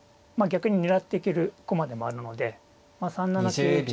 逆に狙っていける駒でもあるので３七桂打が第一感。